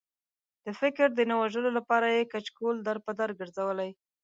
د فکر د نه وژلو لپاره یې کچکول در په در ګرځولی.